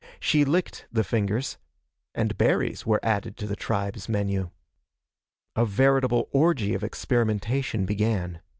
She licked the fingers and berries were added to the tribe's menu. A veritable orgy of experimentation began.